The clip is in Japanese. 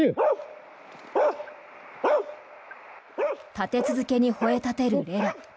立て続けにほえ立てるレラ。